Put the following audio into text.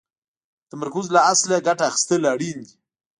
د تمرکز له اصله ګټه اخيستل اړين دي.